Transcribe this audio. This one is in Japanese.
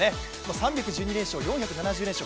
３１２連勝、４７０連勝